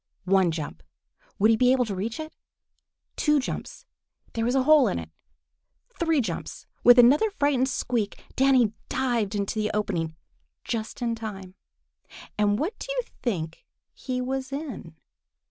One jump! Would he be able to reach it? Two jumps! There was a hole in it! Three jumps! With another frightened squeak, Danny dived into the opening just in time. And what do you think he was in?